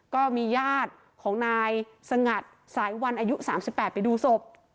ก็มีญาติของนายสงัดสายวันอายุ๓๘ไปดูศพ